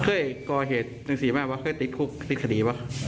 เคยก่อเหตุหนังสีแม่บ้างเคยติดคุกติดคดีบ้าง